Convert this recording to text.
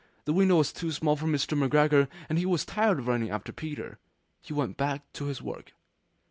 The window was too small for Mr. McGregor, and he was tired of running after Peter. He went back to his work.